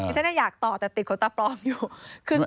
ฉันอยากต่อแต่ติดขนตาปลอมอยู่